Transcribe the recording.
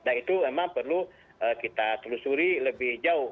nah itu memang perlu kita telusuri lebih jauh